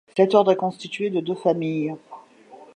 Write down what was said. Cet ordre est constitué de deux familles.